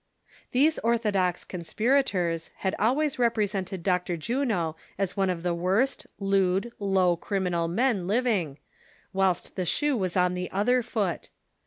These orthodox conspirators had always represented 372 THE SOCIAL WAR OP 1900; OR, Dr. Juno ns one of th^e worst, lewd, low criminal men living, whilst the shoe was on the other foot.